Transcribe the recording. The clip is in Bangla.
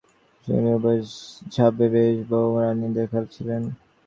সিঁড়ির ওপরের ধাপে মেজ বৌ-রানী দেখা দিলেন।